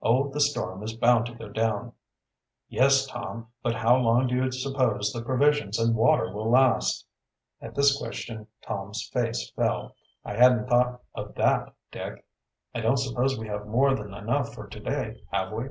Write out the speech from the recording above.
"Oh, the storm is bound to go down." "Yes, Tom, but how long do you suppose the provisions and water will last?" At this question Tom's face fell. "I hadn't thought of that, Dick. I don't suppose we have more than enough for to day, have we?"